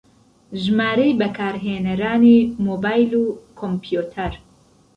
ژمارەی بەکارهێنەرانی مۆبایل و کۆمپیوتەر